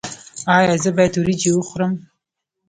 ایا زه باید وریجې وخورم؟